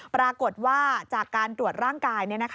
ปรากฏว่าจากการตรวจร่างกาย